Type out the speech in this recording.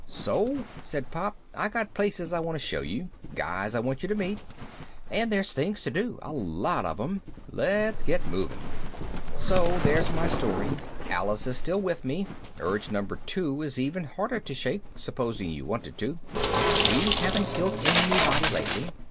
"So," said Pop, "I got places I want to show you. Guys I want you to meet. And there's things to do, a lot of them. Let's get moving." So there's my story. Alice is still with me (Urge Number Two is even harder to shake, supposing you wanted to) and we haven't killed anybody lately.